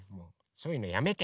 そういうのやめて。